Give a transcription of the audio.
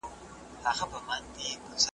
د توکو زېرمه کول د بیو د لوړوالي لامل کیږي.